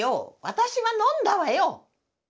私は飲んだわよ！